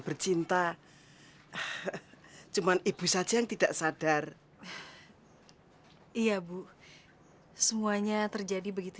bercinta cuman ibu saja yang tidak sadar iya bu semuanya terjadi begitu